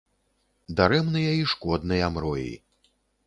Дарэмныя і шкодныя мроі!